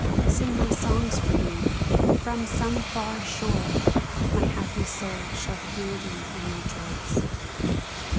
Sing my songs for me, and from some far shore My happy soul shall hear thee and rejoice